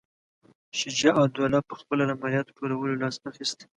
شجاع الدوله پخپله له مالیاتو ټولولو لاس اخیستی.